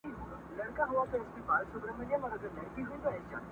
د زړګي لښکر مي ټوله تار و مار دی.